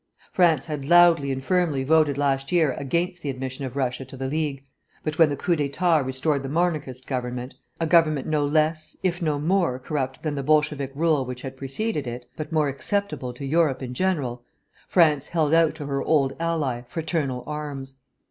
France had loudly and firmly voted last year against the admission of Russia to the League, but when the coup d'état restored the Monarchist Government (a government no less, if no more, corrupt than the Bolshevik rule which had preceded it, but more acceptable to Europe in general), France held out to her old ally fraternal arms.